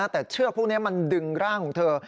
แต่เชือกพวกนี้มันดึงร่างของเธอ